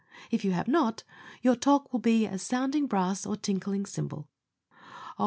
If you have not, your talk will be as sounding brass or tinkling cymbal. Oh!